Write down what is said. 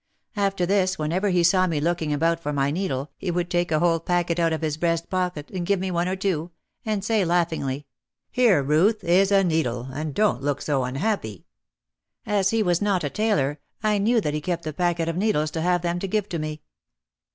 After this whenever he saw me looking about for my needle, he would take a whole packet out of his breast pocket and give me one or two, and say laughingly, "Here, Ruth, is a needle, and don't look so unhappy." As he was not a tailor I knew that he kept the packet of needles to have them to give to me.